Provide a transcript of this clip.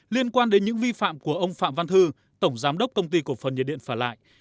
liên quan đến những vi phạm của ông phạm văn thư tổng giám đốc công ty cổ phần nhiệt điện phả lại